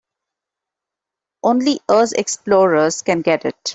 Only us explorers can get it.